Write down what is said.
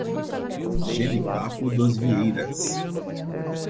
Jenipapo dos Vieiras